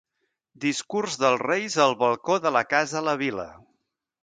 Discurs dels Reis al balcó de la casa la vila.